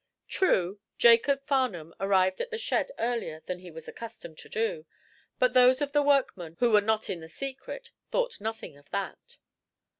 True, Jacob Farnum arrived at the shed earlier than he was accustomed to do, but those of the workmen who were not in the secret thought nothing of that.